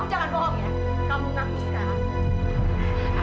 jangan bohong ya kamu ngaku sekarang